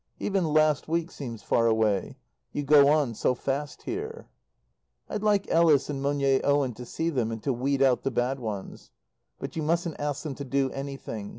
Even last week seems far away. You go on so fast here. I'd like Ellis and Monier Owen to see them and to weed out the bad ones. But you mustn't ask them to do anything.